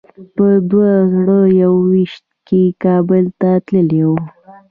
په دوه زره یو ویشت کې کابل ته تللی وم.